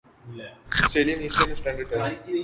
Australian Eastern Standard time